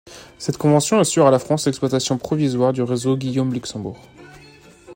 Cette convention assure à la France l’exploitation provisoire du réseau Guillaume-Luxembourg.